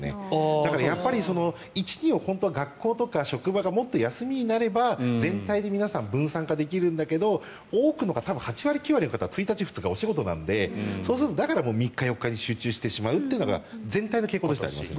だから、１、２を学校とか職場がもっと休みになれば全体で皆さん分散化できるんだけど多くの方８割、９割の方が１日、２日がお仕事なのでそうするとだから３日、４日に集中してしまうというのが全体の傾向としてありますね。